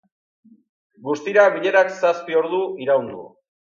Guztira, bilerak zazpi ordu iraun du.